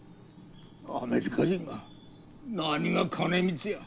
アメリカ人が何が兼光や。